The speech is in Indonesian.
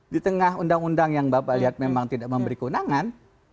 di tengah undang undang yang bapak lihat memang tidak memberi keunangan